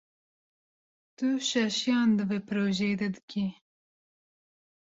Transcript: Tu şaşiyan di vê projeyê de dikî.